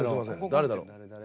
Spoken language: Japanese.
誰だろう？